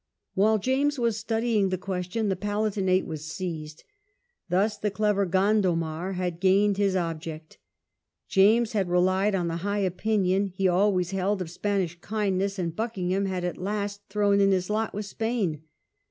While James was studying the question the Palatinate was seized. Thus the clever Gondomar had gained his Parliament or object. James had relied on the high opinion Spain? i6ai. he always held of Spanish kindness, and Buckingham had at last thrown in his lot with Spain.